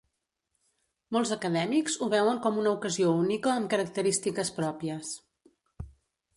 Molts acadèmics ho veuen com una ocasió única amb característiques pròpies.